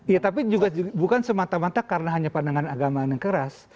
ya tapi juga bukan semata mata karena hanya pandangan agama yang keras